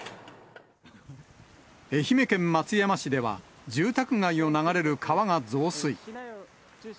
愛媛県松山市では、住宅街を流れる川が増水。